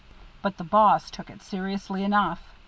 But the boss took it seriously enough.